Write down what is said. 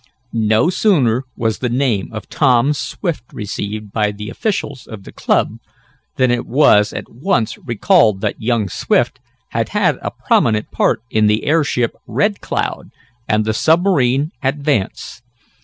No sooner was the name of Tom Swift received by the officials of the club, than it was at once recalled that young Swift had had a prominent part in the airship Red Cloud, and the submarine Advance.